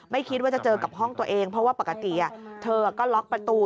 ไม่คิดว่าจะเจอกับห้องตัวเองเพราะว่าปกติเธอก็ล็อกประตู